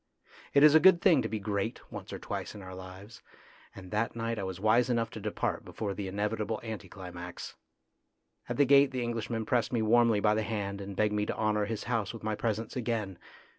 It is a good thing to be great once or twice in our lives, and that night I was wise enough to depart before the inevitable anti climax. At the gate the Englishman pressed me warmly by the hand and begged me to honour his house with my presence again.